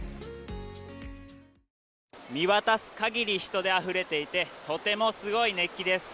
見渡す限り人であふれていてとてもすごい熱気です。